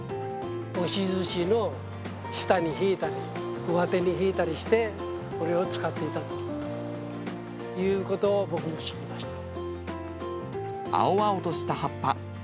押しずしの下に敷いたり、うわてに敷いたりして、これを使っていたということを僕も知りま青々とした葉っぱ。